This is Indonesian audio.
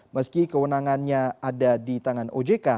meski kewenangannya ada di tangan ojk